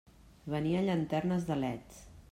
Venia llanternes de leds.